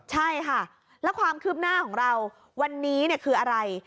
ใช่ค่ะแล้วความคืบหน้าของเราวันนี้คืออะไร